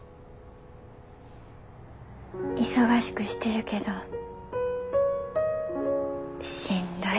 忙しくしてるけどしんどいと思う。